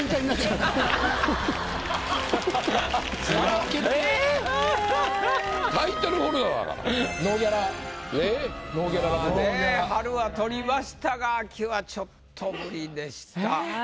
まぁね春は取りましたが秋はちょっと無理でした。